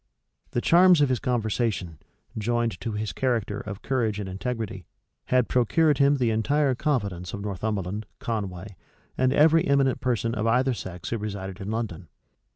The charms of his conversation, joined to his character of courage and integrity, had procured him the entire confidence of Northumberland, Conway, and every eminent person of either sex who resided in London.